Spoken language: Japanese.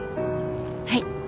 はい。